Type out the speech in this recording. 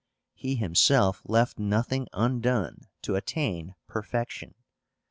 He himself left nothing undone to attain perfection.